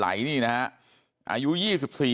แล้วป้าไปติดหัวมันเมื่อกี้แล้วป้าไปติดหัวมันเมื่อกี้